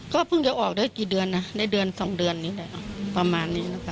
ก็เพิ่งจะออกได้กี่เดือนนะในเดือน๒เดือนนี้แหละประมาณนี้นะคะ